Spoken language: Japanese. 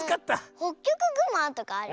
ホッキョクグマとかあるよね。